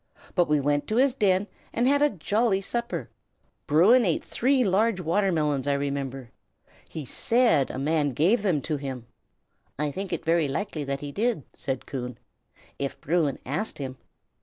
But we went to his den, and had a jolly supper. Bruin ate three large watermelons, I remember. He said a man gave them to him." "I think it very likely that he did," said Coon, "if Bruin asked him."